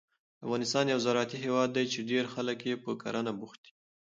افغانستان یو زراعتي هېواد دی چې ډېری خلک یې په کرنه بوخت دي.